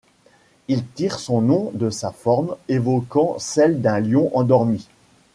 Il tire son nom de sa forme, évoquant celle d'un lion endormi.